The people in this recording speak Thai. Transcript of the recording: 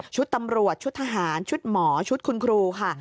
ตำรวจชุดทหารชุดหมอชุดคุณครูค่ะ